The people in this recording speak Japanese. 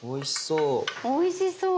おいしそう。